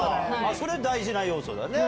それ大事な要素だね。